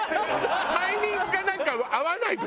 タイミングがなんか合わない時あるのよ。